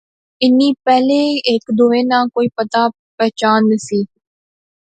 انیں پہلے ہیک دوہے ناں کوئی پتہ پچھان نہسی